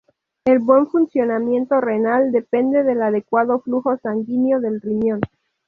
El buen funcionamiento renal depende del adecuado flujo sanguíneo del riñón.